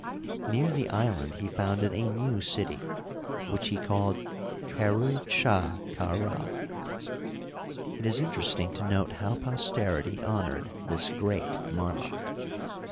Near the island he founded a new city, which he csdled Heru chd ka Rd, It is interesting to note how posterity honored this great monarch.